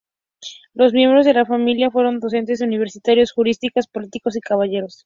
Los miembros de la familia fueron docentes universitarios, juristas, políticos y caballeros.